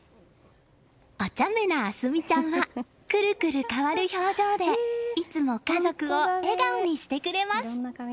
おちゃめな明澄ちゃんはくるくる変わる表情でいつも家族を笑顔にしてくれます。